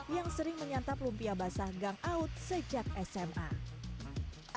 yang sering menyantap lumpia basah gangau sejak sma